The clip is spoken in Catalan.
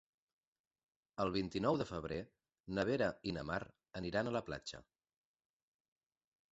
El vint-i-nou de febrer na Vera i na Mar aniran a la platja.